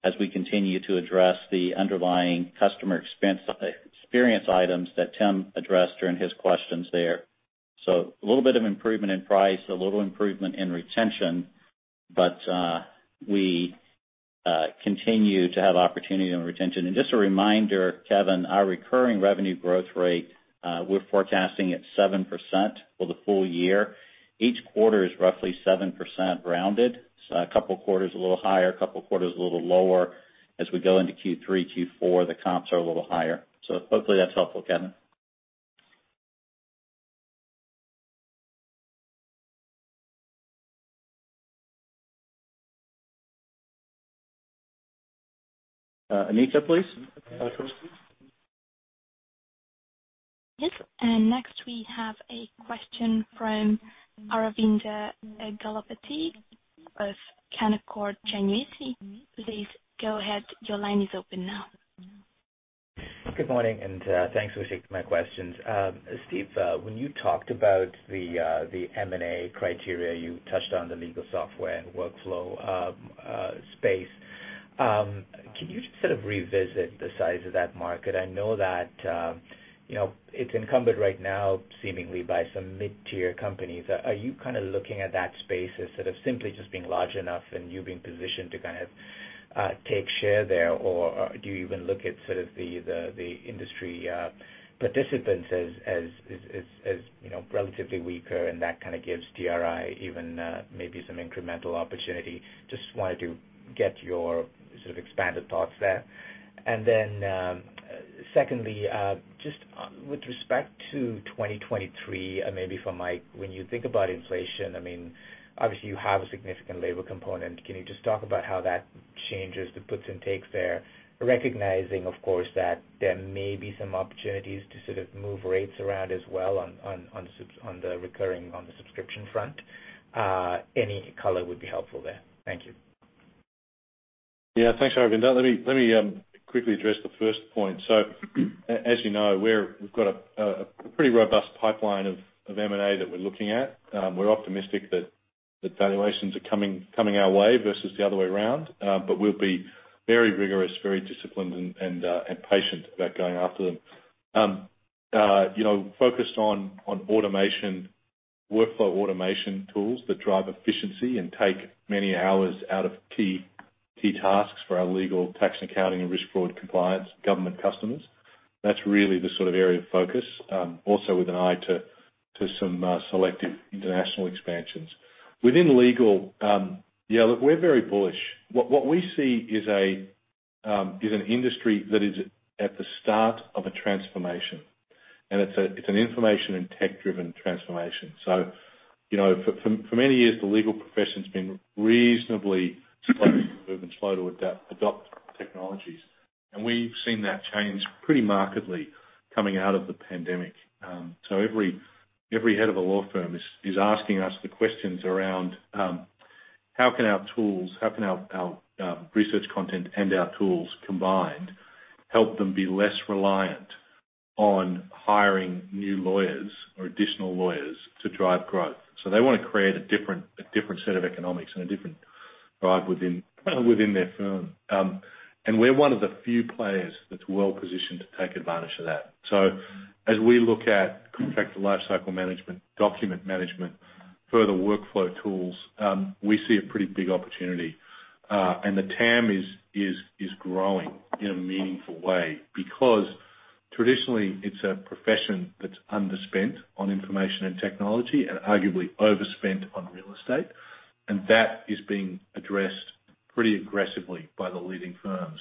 as we continue to address the underlying customer experience items that Tim addressed during his questions there. A little bit of improvement in price, a little improvement in retention, but we continue to have opportunity on retention. Just a reminder, Kevin, our recurring revenue growth rate, we're forecasting at 7% for the full year. Each quarter is roughly 7% rounded, so a couple of quarters a little higher, a little lower. As we go into Q3, Q4, the comps are a little higher. Hopefully that's helpful, Kevin. Anika, please. Next we have a question from Aravinda Galappatthige of Canaccord Genuity. Please go ahead. Your line is open now. Good morning, thanks for taking my questions. Steve, when you talked about the M&A criteria, you touched on the legal software and workflow space. Can you just sort of revisit the size of that market? I know that, you know, it's dominated right now, seemingly, by some mid-tier companies. Are you kinda looking at that space as sort of simply just being large enough and you being positioned to kind of take share there, or do you even look at sort of the industry participants as, you know, relatively weaker and that kinda gives TR even maybe some incremental opportunity? Just wanted to get your sort of expanded thoughts there. Secondly, just with respect to 2023, maybe for Mike, when you think about inflation, I mean, obviously you have a significant labor component. Can you just talk about how that changes the puts and takes there? Recognizing, of course, that there may be some opportunities to sort of move rates around as well on the recurring, on the subscription front. Any color would be helpful there. Thank you. Yeah. Thanks, Aravinda. Let me quickly address the first point. As you know, we've got a pretty robust pipeline of M&A that we're looking at. We're optimistic that valuations are coming our way versus the other way around. We'll be very rigorous, very disciplined and patient about going after them. You know, focused on automation, workflow automation tools that drive efficiency and take many hours out of key tasks for our legal, tax, accounting and risk, fraud, compliance, government customers. That's really the sort of area of focus, also with an eye to some selective international expansions. Within legal, we're very bullish. What we see is an industry that is at the start of a transformation, and it's an information and tech-driven transformation. You know, for many years, the legal profession's been reasonably slow to move and slow to adopt technologies. We've seen that change pretty markedly coming out of the pandemic. Every head of a law firm is asking us the questions around, how can our tools, how can our research content and our tools combined help them be less reliant on hiring new lawyers or additional lawyers to drive growth? They wanna create a different set of economics and a different drive within their firm. We're one of the few players that's well-positioned to take advantage of that. As we look at contract and lifecycle management, document management, further workflow tools, we see a pretty big opportunity. The TAM is growing in a meaningful way because traditionally it's a profession that's underspent on information and technology and arguably overspent on real estate. That is being addressed pretty aggressively by the leading firms.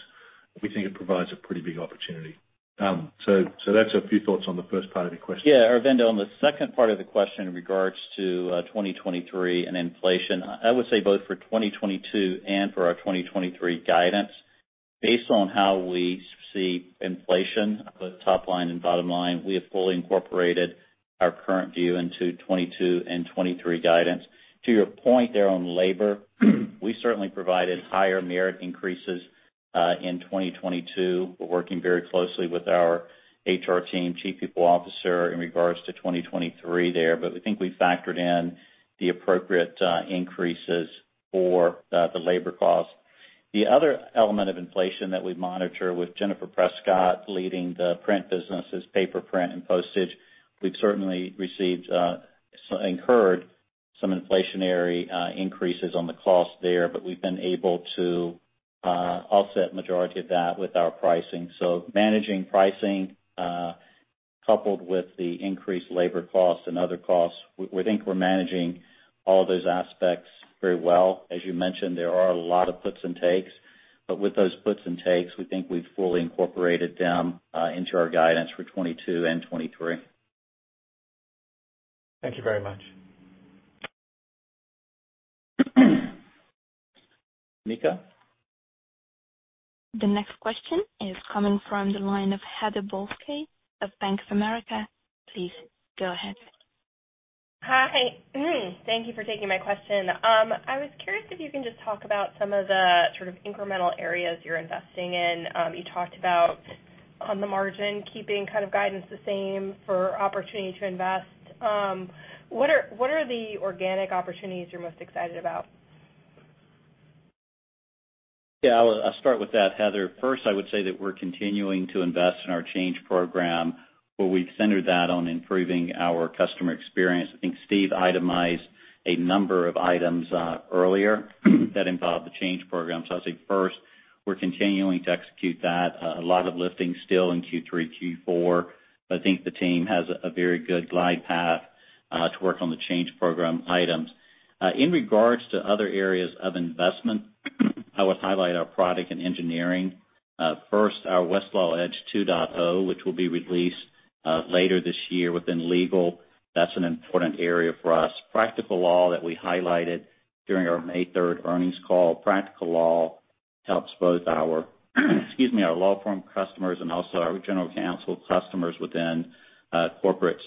We think it provides a pretty big opportunity. That's a few thoughts on the first part of your question. Yeah, Aravinda, on the second part of the question in regards to 2023 and inflation, I would say both for 2022 and for our 2023 guidance, based on how we see inflation with top line and bottom line, we have fully incorporated our current view into 2022 and 2023 guidance. To your point there on labor, we certainly provided higher merit increases in 2022. We're working very closely with our HR team, chief people officer in regards to 2023 there, but we think we factored in the appropriate increases for the labor cost. The other element of inflation that we monitor with Jennifer Prescott leading the print business is paper print and postage. We've certainly incurred some inflationary increases on the cost there, but we've been able to offset majority of that with our pricing. Managing pricing coupled with the increased labor costs and other costs, we think we're managing all those aspects very well. As you mentioned, there are a lot of puts and takes, but with those puts and takes, we think we've fully incorporated them into our guidance for 2022 and 2023. Thank you very much. Anika? The next question is coming from the line of Heather Balsky of Bank of America. Please go ahead. Hi. Thank you for taking my question. I was curious if you can just talk about some of the sort of incremental areas you're investing in. You talked about on the margin, keeping kind of guidance the same for opportunity to invest. What are the organic opportunities you're most excited about? Yeah, I'll start with that, Heather. First, I would say that we're continuing to invest in our change program, where we've centered that on improving our customer experience. I think Steve itemized a number of items earlier that involve the change program. I'd say first, we're continuing to execute that, a lot of lifting still in Q3, Q4. I think the team has a very good glide path to work on the change program items. In regards to other areas of investment, I would highlight our product and engineering. First, our Westlaw Edge 2.0, which will be released later this year within legal. That's an important area for us. Practical Law that we highlighted during our May third earnings call. Practical Law helps both our, excuse me, our law firm customers and also our general counsel customers within corporates.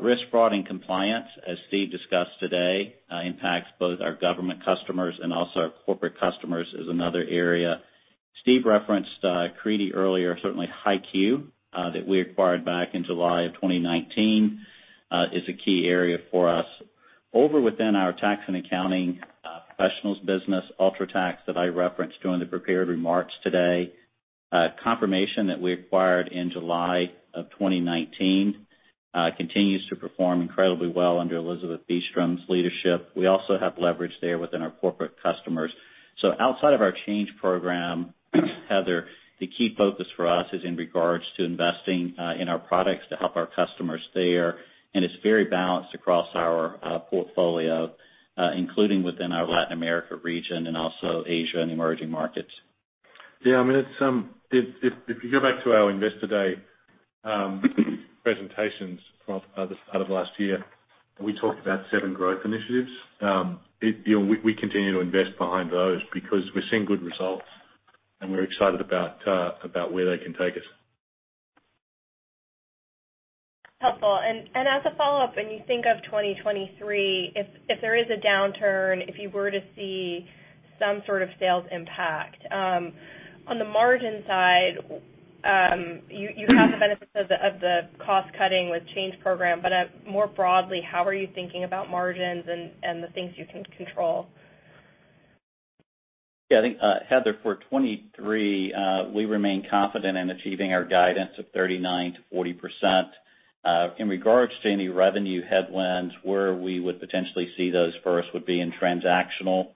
Risk, fraud, and compliance, as Steve discussed today, impacts both our government customers and also our corporate customers is another area. Steve referenced CLEAR earlier, certainly HighQ that we acquired back in July of 2019 is a key area for us. Over within our tax and accounting professionals business, UltraTax that I referenced during the prepared remarks today, Confirmation that we acquired in July of 2019 continues to perform incredibly well under Elizabeth Beastrom's leadership. We also have leverage there within our corporate customers. Outside of our change program, Heather, the key focus for us is in regards to investing in our products to help our customers there. It's very balanced across our portfolio including within our Latin America region and also Asia and emerging markets. Yeah, I mean, it's if you go back to our investor day presentations from the start of last year, we talked about seven growth initiatives. You know, we continue to invest behind those because we're seeing good results and we're excited about where they can take us. Helpful. As a follow-up, when you think of 2023, if there is a downturn, if you were to see some sort of sales impact, on the margin side, you have the benefits of the cost-cutting with change program. More broadly, how are you thinking about margins and the things you can control? Yeah, I think, Heather, for 2023, we remain confident in achieving our guidance of 39% to 40%. In regards to any revenue headwinds, where we would potentially see those first would be in transactional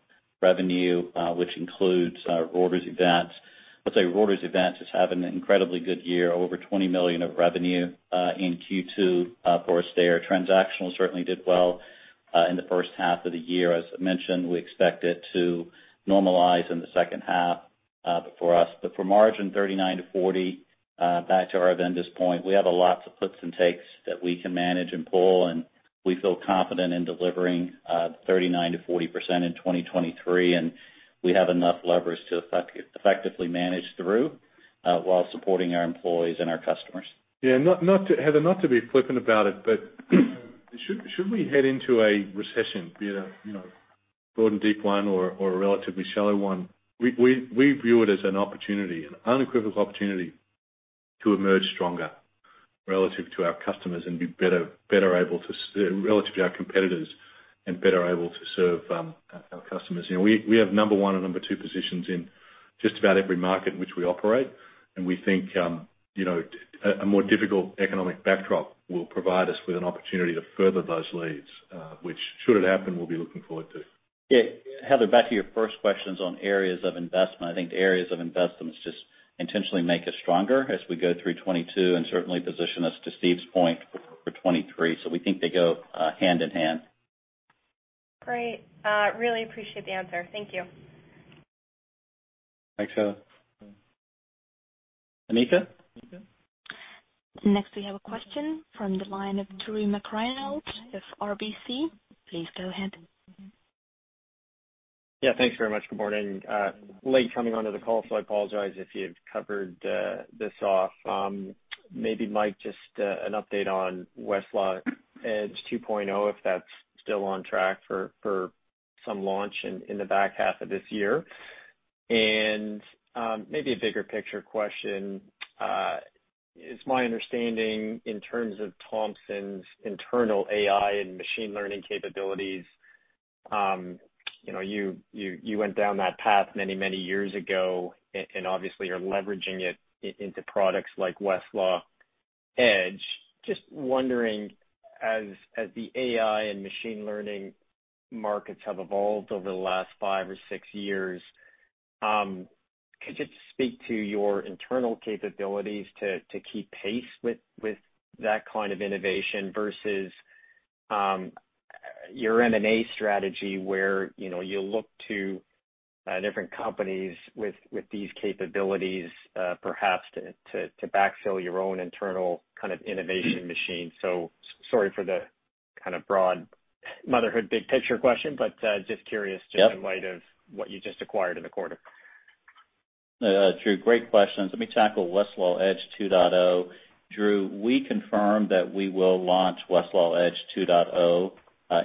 revenue, which includes our Reuters Events. Let's say Reuters Events has had an incredibly good year, over $20 million of revenue, in Q2. Of course, their transactional certainly did well, in the first half of the year. As I mentioned, we expect it to normalize in the second half, for us. For margin, 39% to 40%, back to Aravinda's point, we have lots of puts and takes that we can manage and pull, and we feel confident in delivering, 39% to 40% in 2023, and we have enough leverage to effectively manage through, while supporting our employees and our customers. Yeah, Heather, not to be flippant about it, but should we head into a recession, be it a, you know, broad and deep one or a relatively shallow one, we view it as an opportunity, an unequivocal opportunity to emerge stronger relative to our customers and be better able to relative to our competitors and better able to serve our customers. You know, we have number one and number two positions in just about every market in which we operate. We think, you know, a more difficult economic backdrop will provide us with an opportunity to further those leads, which should it happen, we'll be looking forward to. Yeah. Heather, back to your first questions on areas of investment. I think the areas of investment just intentionally make us stronger as we go through 2022 and certainly position us, to Steve's point, for 2023. We think they go hand in hand. Great. Really appreciate the answer. Thank you. Thanks, Heather. Anika? Next, we have a question from the line of Drew McReynolds of RBC. Please go ahead. Yeah, thanks very much. Good morning. Late coming onto the call, so I apologize if you've covered this off. Maybe, Mike, just an update on Westlaw Edge 2.0, if that's still on track for some launch in the back half of this year. Maybe a bigger picture question. It's my understanding in terms of Thomson Reuters's internal AI and machine learning capabilities, you went down that path many years ago and obviously are leveraging it into products like Westlaw Edge. Just wondering, as the AI and machine learning markets have evolved over the last five or six years, could you just speak to your internal capabilities to keep pace with that kind of innovation versus your M&A strategy where, you know, you look to different companies with these capabilities, perhaps to backfill your own internal kind of innovation machine. Sorry for the kind of broad motherhood big picture question, but just curious. Yep. Just in light of what you just acquired in the quarter. Drew, great questions. Let me tackle Westlaw Edge 2.0. Drew, we confirm that we will launch Westlaw Edge 2.0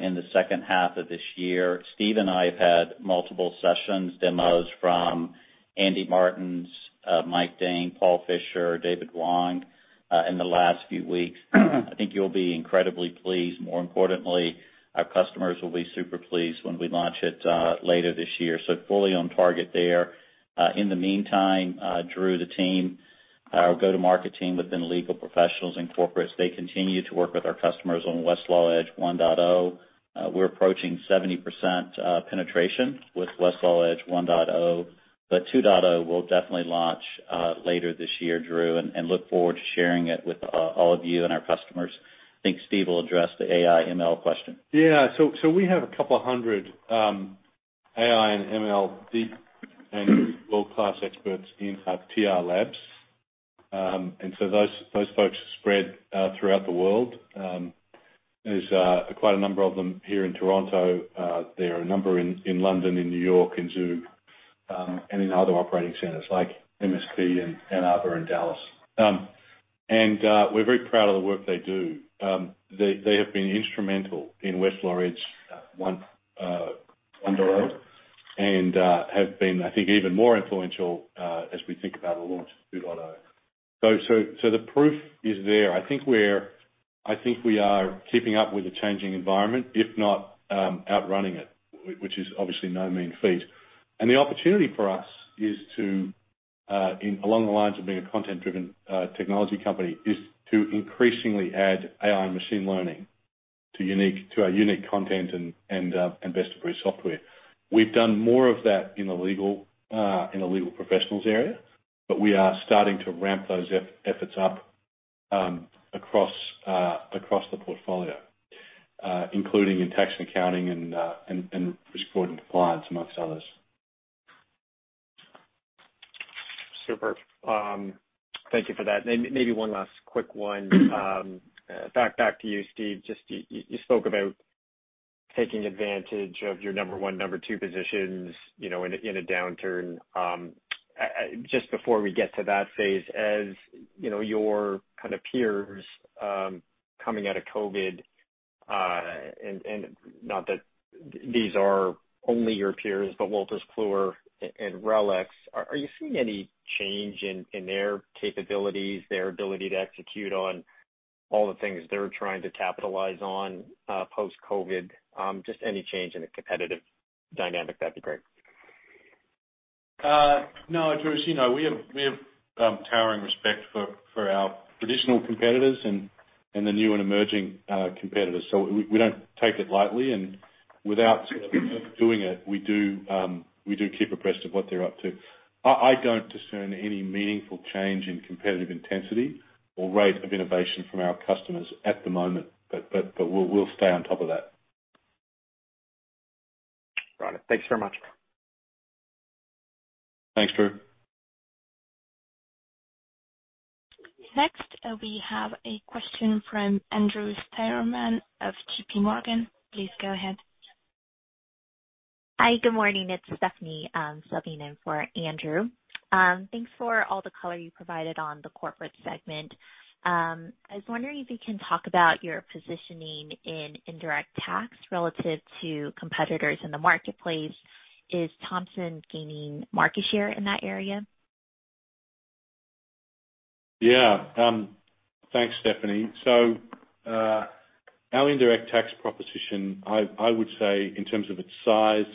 in the second half of this year. Steve and I have had multiple sessions, demos from Andy Martens, Mike Dahn, Paul Fisher, David Wong in the last few weeks. I think you'll be incredibly pleased. More importantly, our customers will be super pleased when we launch it later this year. Fully on target there. In the meantime, Drew, the team, our go-to-market team within legal professionals and corporates, they continue to work with our customers on Westlaw Edge 1.0. We're approaching 70% penetration with Westlaw Edge 1.0. 2.0 will definitely launch later this year, Drew, and look forward to sharing it with all of you and our customers. I think Steve will address the AI ML question. Yeah. We have a couple hundred AI and ML deep and world-class experts inside TR Labs. Those folks spread throughout the world. There's quite a number of them here in Toronto. There are a number in London, in New York, in Zug, and in other operating centers like MSP and Ann Arbor and Dallas. We're very proud of the work they do. They have been instrumental in Westlaw Edge 1.0. Have been, I think, even more influential as we think about the launch of 2.0. So the proof is there. I think we are keeping up with the changing environment, if not outrunning it, which is obviously no mean feat. The opportunity for us is to along the lines of being a content-driven technology company, is to increasingly add AI and machine learning to our unique content and best-of-breed software. We've done more of that in the legal professionals area, but we are starting to ramp those efforts up across the portfolio, including in tax and accounting and risk and compliance amongst others. Superb. Thank you for that. Maybe one last quick one. Back to you, Steve. Just you spoke about taking advantage of your number one, number two positions, you know, in a downturn. Just before we get to that phase, as you know, your kind of peers coming out of COVID, and not that these are only your peers, but Wolters Kluwer and RELX, are you seeing any change in their capabilities, their ability to execute on all the things they're trying to capitalize on, post-COVID? Just any change in the competitive dynamic, that'd be great. No, Drew, as you know, we have towering respect for our traditional competitors and the new and emerging competitors. We don't take it lightly. Without sort of doing it, we do keep abreast of what they're up to. I don't discern any meaningful change in competitive intensity or rate of innovation from our customers at the moment, but we'll stay on top of that. Got it. Thanks very much. Thanks, Drew. Next, we have a question from Andrew Steinerman of JPMorgan. Please go ahead. Hi, good morning. It's Stephanie, subbing in for Andrew. Thanks for all the color you provided on the corporate segment. I was wondering if you can talk about your positioning in indirect tax relative to competitors in the marketplace. Is Thomson gaining market share in that area? Yeah. Thanks, Stephanie. Our indirect tax proposition, I would say in terms of its size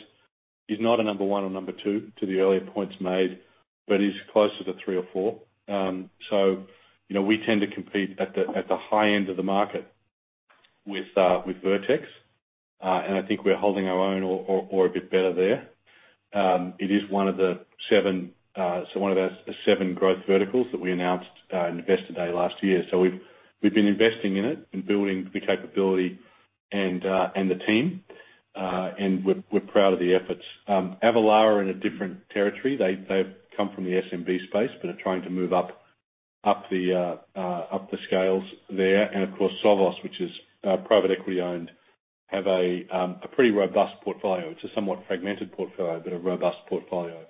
is not a number one or number two to the earlier points made, but is closer to three or four. You know, we tend to compete at the high end of the market with Vertex. I think we're holding our own or a bit better there. It is one of the seven, so one of our seven growth verticals that we announced, Investor Day last year. We've been investing in it and building the capability and the team, and we're proud of the efforts. Avalara in a different territory. They've come from the SMB space, but are trying to move up the scales there. Of course, Sovos, which is private equity-owned, has a pretty robust portfolio. It's a somewhat fragmented portfolio, but a robust portfolio.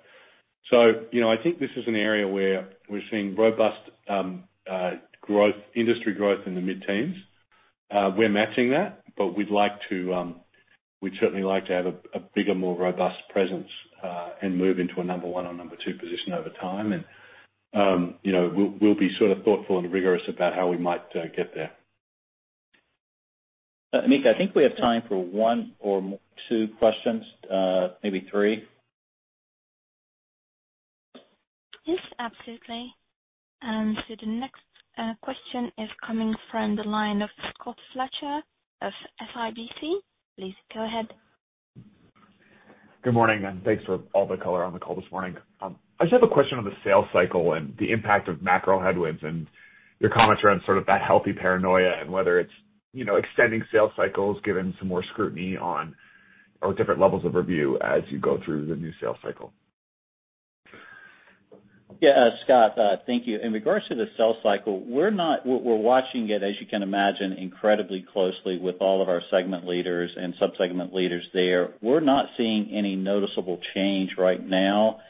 You know, I think this is an area where we're seeing robust growth, industry growth in the mid-teens. We're matching that, but we'd certainly like to have a bigger, more robust presence and move into a number one or number two position over time. You know, we'll be sort of thoughtful and rigorous about how we might get there. Anika, I think we have time for one or two questions, maybe three. Yes, absolutely. The next question is coming from the line of Scott Fletcher of CIBC. Please go ahead. Good morning, and thanks for all the color on the call this morning. I just have a question on the sales cycle and the impact of macro headwinds and your comments around sort of that healthy paranoia and whether it's, you know, extending sales cycles, given some more scrutiny on or different levels of review as you go through the new sales cycle? Yeah, Scott, thank you. In regards to the sales cycle, we're watching it, as you can imagine, incredibly closely with all of our segment leaders and sub-segment leaders there. We're not seeing any noticeable change right now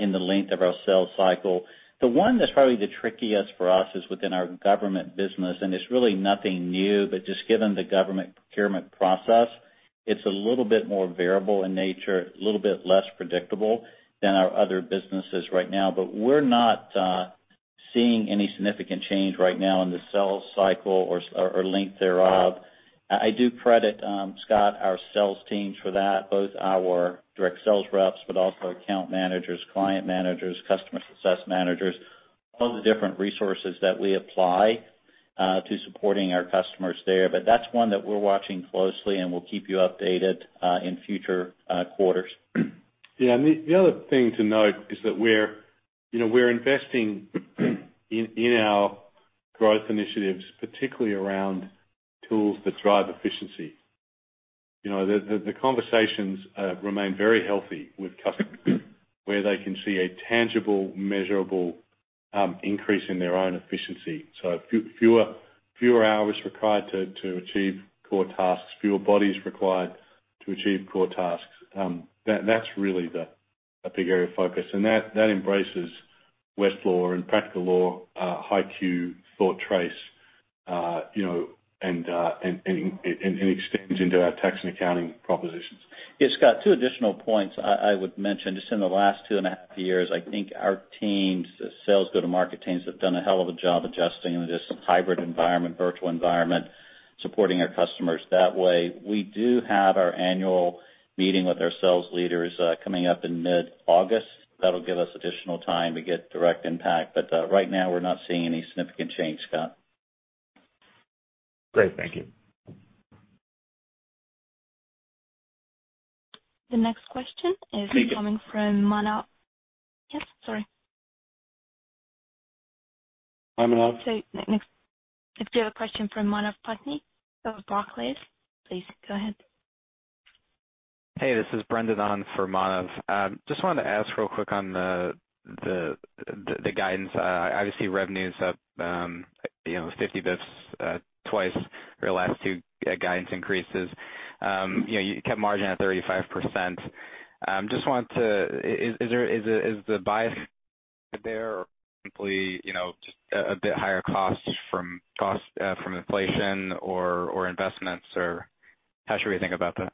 in the length of our sales cycle. The one that's probably the trickiest for us is within our government business, and it's really nothing new, but just given the government procurement process, it's a little bit more variable in nature, a little bit less predictable than our other businesses right now. But we're not seeing any significant change right now in the sales cycle or length thereof. I do credit, Scott, our sales teams for that, both our direct sales reps, but also account managers, client managers, customer success managers, all the different resources that we apply to supporting our customers there. That's one that we're watching closely, and we'll keep you updated in future quarters. Yeah. The other thing to note is that we're, you know, we're investing in our growth initiatives, particularly around tools that drive efficiency. You know, the conversations remain very healthy with customers where they can see a tangible, measurable increase in their own efficiency. Fewer hours required to achieve core tasks, fewer bodies required to achieve core tasks. That's really a big area of focus, and that embraces Westlaw and Practical Law, HighQ, ThoughtTrace, you know, and extends into our tax and accounting propositions. Yeah, Scott, two additional points I would mention. Just in the last two and a half years, I think our teams, the sales go-to-market teams, have done a hell of a job adjusting in this hybrid environment, virtual environment, supporting our customers that way. We do have our annual meeting with our sales leaders coming up in mid-August. That'll give us additional time to get direct impact. Right now, we're not seeing any significant change, Scott. Great. Thank you. The next question is. Thank you. Coming from Manav. Yes. Sorry. Hi, Manav. Next, if you have a question from Manav Patnaik of Barclays, please go ahead. Hey, this is Brendan on for Manav. Just wanted to ask real quick on the guidance. Obviously, revenue's up, you know, 50 basis points, twice your last two guidance increases. You know, you kept margin at 35%. Just wanted to. Is there bias there or simply, you know, just a bit higher cost from inflation or investments, or how should we think about that?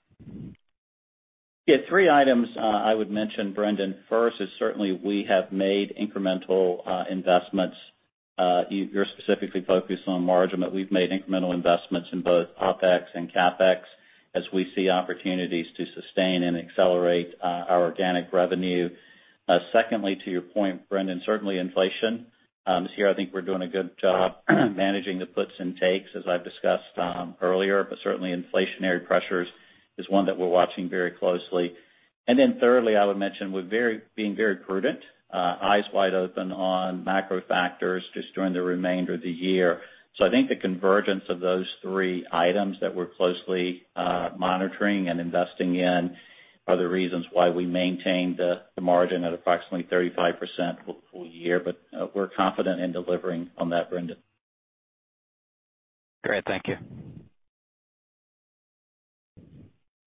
Yeah. Three items, I would mention, Brendan. First is certainly we have made incremental investments. You're specifically focused on margin, but we've made incremental investments in both OpEx and CapEx as we see opportunities to sustain and accelerate our organic revenue. Secondly, to your point, Brendan, certainly inflation is here. I think we're doing a good job managing the puts and takes, as I've discussed earlier, but certainly inflationary pressures is one that we're watching very closely. Then thirdly, I would mention we're being very prudent, eyes wide open on macro factors just during the remainder of the year. I think the convergence of those three items that we're closely monitoring and investing in are the reasons why we maintained the margin at approximately 35% for the full year. We're confident in delivering on that, Brendan. Great. Thank you.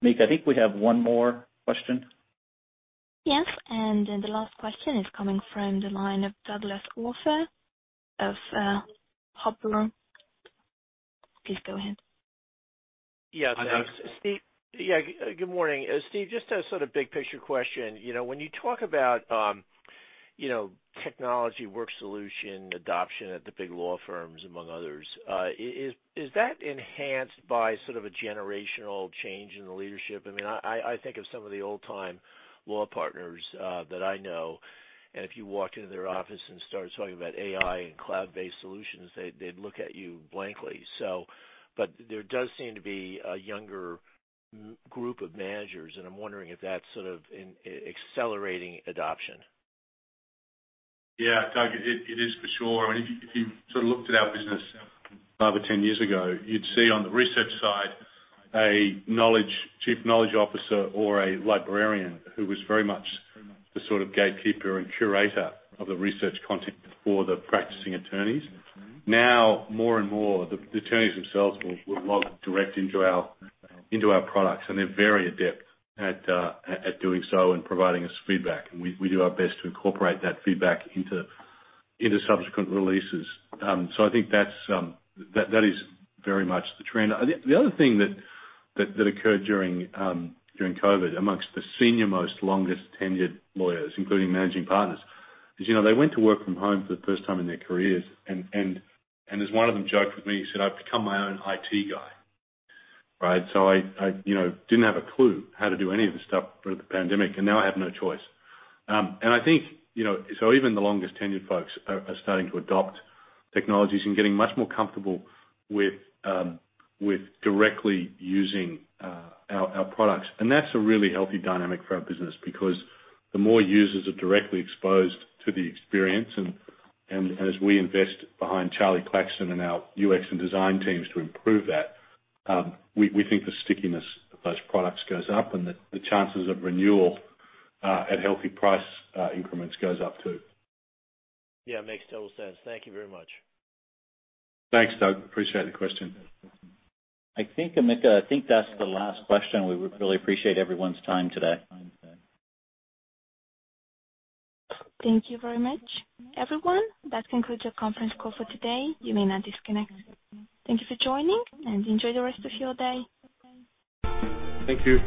Anika, I think we have one more question. Yes. Then the last question is coming from the line of Douglas Arthur of Huber. Please go ahead. Yes, thanks. Hi, Douglas. Steve. Yeah, good morning. Steve, just a sort of big picture question. You know, when you talk about, you know, technology work solution adoption at the big law firms, among others, is that enhanced by sort of a generational change in the leadership? I mean, I think of some of the old-time law partners that I know, and if you walk into their office and start talking about AI and cloud-based solutions, they'd look at you blankly. There does seem to be a younger group of managers, and I'm wondering if that's sort of accelerating adoption. Yeah. Doug, it is for sure. I mean, if you sort of looked at our business five or 10 years ago, you'd see on the research side a chief knowledge officer or a librarian who was very much the sort of gatekeeper and curator of the research content for the practicing attorneys. Now, more and more, the attorneys themselves will log directly into our products, and they're very adept at doing so and providing us feedback. We do our best to incorporate that feedback into subsequent releases. I think that's that is very much the trend. The other thing that occurred during COVID amongst the senior-most longest tenured lawyers, including managing partners, is, you know, they went to work from home for the first time in their careers. As one of them joked with me, he said, "I've become my own IT guy." Right? I, you know, didn't have a clue how to do any of this stuff throughout the pandemic, and now I have no choice. I think, you know, so even the longest tenured folks are starting to adopt technologies and getting much more comfortable with directly using our products. That's a really healthy dynamic for our business because the more users are directly exposed to the experience, and as we invest behind Charlie Claxton and our UX and design teams to improve that, we think the stickiness of those products goes up and the chances of renewal at healthy price increments goes up too. Yeah, makes total sense. Thank you very much. Thanks, Doug. Appreciate the question. I think, Anika, I think that's the last question. We would really appreciate everyone's time today. Thank you very much. Everyone, that concludes your conference call for today. You may now disconnect. Thank you for joining and enjoy the rest of your day. Thank you.